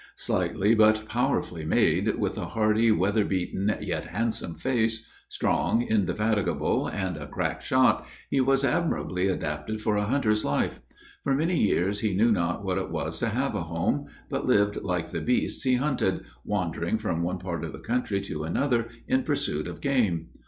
Slightly but powerfully made, with a hardy, weather beaten, yet handsome face; strong, indefatigable, and a crack shot he was admirably adapted for a hunter's life. For many years he knew not what it was to have a home, but lived like the beasts he hunted wandering from one part of the country to another, in pursuit of game.